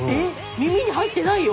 耳に入ってないよ？